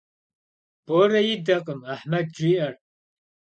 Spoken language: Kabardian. Bore yidakhım Ahmed jji'er.